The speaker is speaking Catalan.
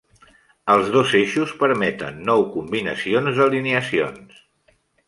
Els dos eixos permeten nou combinacions d'alineacions.